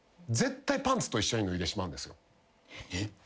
えっ？